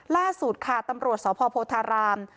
ล่าสูตรตำรวจสหพพธาราม